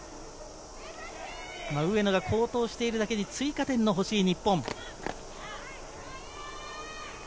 上野が好投しているだけに追加点が欲しい日本。